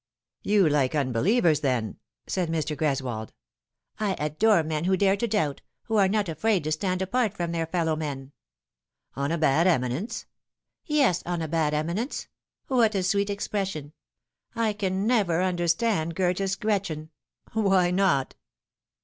" You like unbelievers, then ?" said Mr. Greswold. " I adore men who dare to doubt, who are not afraid to stand apart from their fellow men." " On a bad eminence ?"" Yes, on a bad eminence. What a sweet expression ! I can never understand Goethe's Gretchen." " Why not